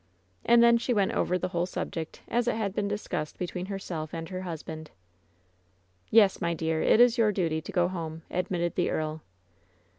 And then she went over the whole subject as it had been discussed be tween herself and her husband. "Yes, my dear, it is your duty to go home," admitted the earl.